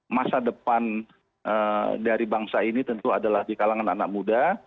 masa depan dari bangsa ini tentu adalah di kalangan anak muda